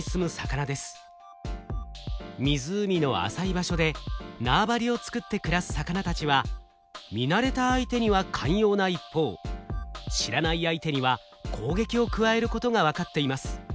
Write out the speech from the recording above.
湖の浅い場所で縄張りを作って暮らす魚たちは見慣れた相手には寛容な一方知らない相手には攻撃を加えることが分かっています。